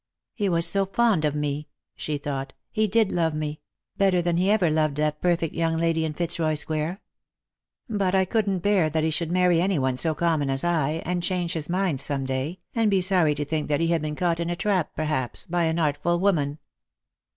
"He was so fond of me," she thought. "He did love me — better than he ever loved that perfect young lady in Eitzroy square. But I couldn't bear that he should marry any one so common as I, and change his mind some day, and be sorry to think that he had been caught in a trap, perhaps, by an artful woman.